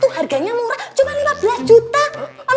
harganya murah cuma lima belas juta